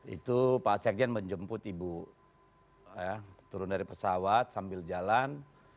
itu pak sekjen menjemput ibu turun dari pesawat sambil jalan